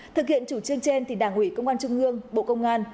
thực hiện chủ trương trên thì đảng ủy công an trung ương bộ công an